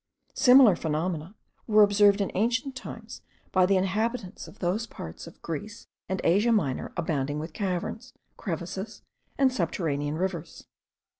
Similar phenomena were observed in ancient times by the inhabitants of those parts of Greece and Asia Minor abounding with caverns, crevices, and subterraneous rivers.